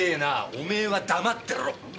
おめえは黙ってろ！